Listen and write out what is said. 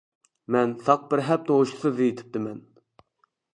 مەن ساق بىر ھەپتە ھوشسىز يېتىپتىمەن.